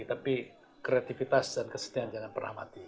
tapi kreativitas dan kesetiaan jangan pernah mati